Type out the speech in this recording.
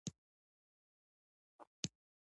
افغانستان کې د د اوبو سرچینې په اړه زده کړه کېږي.